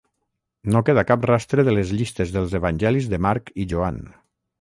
No queda cap rastre de les llistes dels Evangelis de Marc i Joan.